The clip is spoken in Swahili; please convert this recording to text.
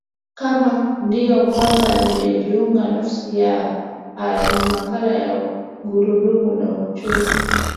kama ndiyo kwanza anajiunga nasi haya ni makala ya gurudumu la uchumi